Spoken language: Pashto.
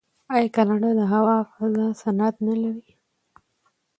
آیا کاناډا د هوا فضا صنعت نلري؟